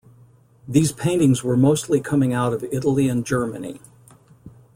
These paintings were mostly coming out of Italy and Germany.